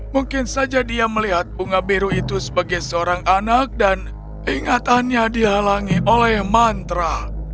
mungkin saja dia melihat bunga biru itu sebagai seorang anak dan ingatannya dihalangi oleh mantra